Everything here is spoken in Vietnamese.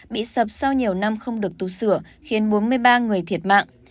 bị sập sau nhiều năm không được tu sửa khiến bốn mươi ba người thiệt mạng